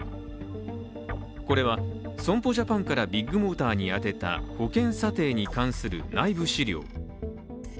これは損保ジャパンからビッグモーターに宛てた保険査定に関する内部資料。